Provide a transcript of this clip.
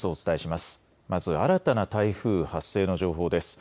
まず新たな台風発生の情報です。